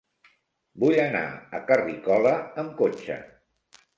Vull anar a Carrícola amb cotxe.